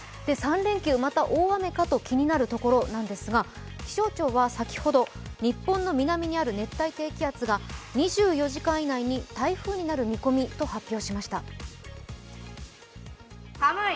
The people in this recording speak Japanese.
３連休また大雨と気になるところなんですが、気象庁は先ほど、日本の南にある熱帯低気圧が２４時間以内に台風になる見込みと発表しました。